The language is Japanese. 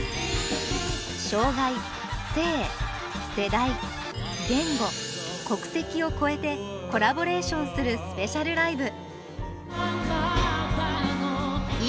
障害、性、世代、言語、国籍を超えてコラボレーションするスペシャルライブ。